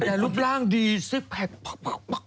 แต่รูปร่างดีซึ่งแผดปาก